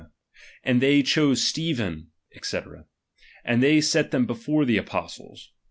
and titey chose Stephen, ^'c: and they set them before dhe apostles.